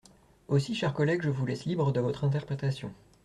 Aussi, chers collègues, je vous laisse libre de votre interprétation.